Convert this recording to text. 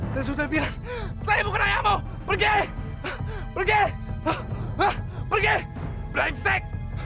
saya sudah bilang saya bukan ayahmu pergi pergi